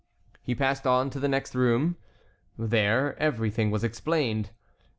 He passed on to the next room. There everything was explained.